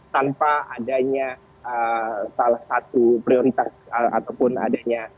tanpa adanya salah satu prioritas ataupun adanya